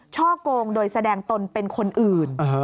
ช่อกงโดยแสดงตนเป็นคนอื่น